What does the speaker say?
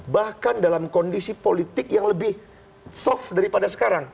bahkan dalam kondisi politik yang lebih soft daripada sekarang